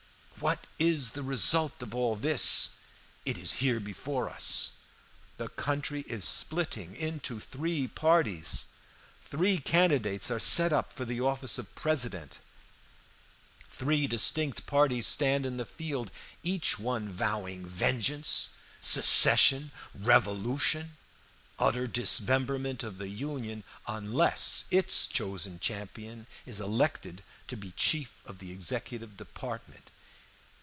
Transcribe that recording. "What is the result of all this? It is here before us. The country is splitting into parties. Three candidates are set up for the office of President. Three distinct parties stand in the field, each one vowing vengeance, secession, revolution, utter dismemberment of the Union, unless its chosen champion is elected to be chief of the Executive Department.